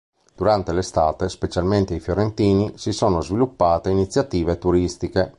Durante l'estate, specialmente ai Fiorentini, si sono sviluppate iniziative turistiche.